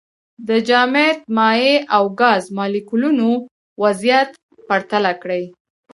د جامد، مایع او ګاز مالیکولونو وضعیت پرتله کړئ.